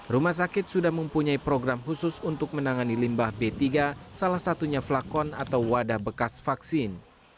rumah sakit sudah mempunyai program khusus untuk menangani limbah b tiga salah satunya flakon atau wadah bekas vaksin